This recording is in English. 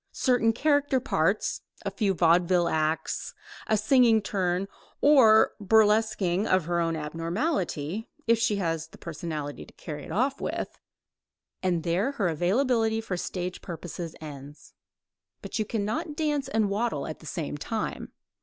Certain character parts, a few vaudeville acts, a singing turn, or a burlesquing of her own abnormality (if she has the personality to carry it off with), and there her availability for stage purposes ends. But you cannot dance and waddle at the same time.